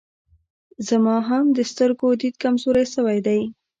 زما هم د سترګو ديد کمزوری سوی دی